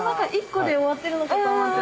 １個で終わってるのかと。